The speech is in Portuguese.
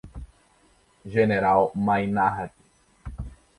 General Maynard